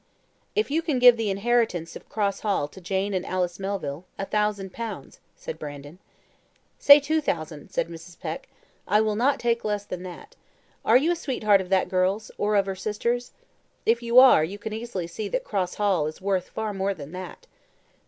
"If you can give the inheritance of Cross Hall to Jane and Alice Melville, a thousand pounds," said Brandon. "Say two thousand," said Mrs. Peck; "I will not take less than that. Are you a sweetheart of that girl's or of her sister's? If you are, you can easily see that Cross Hall is worth far more than that."